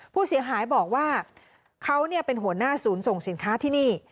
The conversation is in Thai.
ผู้เสียหายบอกว่าเขาเป็นหัวหน้าศูนย์ส่งสินค้าที่นี่